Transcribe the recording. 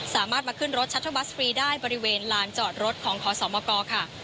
สามารถมาขึ้นรถชัตเทอร์บัสฟรีได้บริเวณลานจอดรถของขอสมกค่ะ